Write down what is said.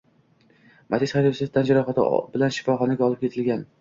Matiz haydovchisi tan jarohati bilan shifoxonaga olib ketilgan